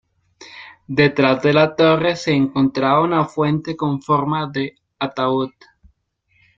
Detrás de la torre se encontraba una fuente con forma de ataúd.